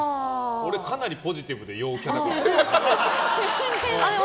俺、かなりポジティブで陽キャだから。